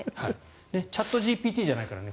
チャットＧＰＴじゃないからね。